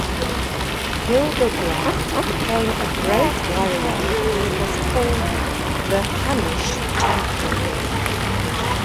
Hildebrand became a great warrior and was called the "Hunnish champion".